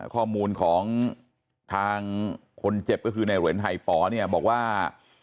ข้อมูลของทางคนเจ็บก็คือในเหรียญไฮป๋อเนี่ยบอกว่า